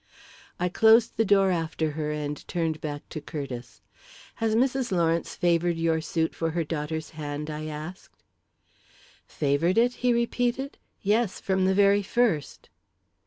I closed the door after her and turned back to Curtiss. "Has Mrs. Lawrence favoured your suit for her daughter's hand?" I asked. "Favoured it?" he repeated. "Yes, from the very first."